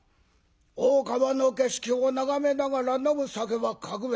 大川の景色を眺めながら飲む酒は格別。